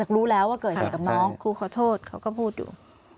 ครูขอโทษเขาก็พูดอยู่